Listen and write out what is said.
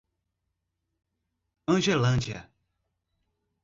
Angelândia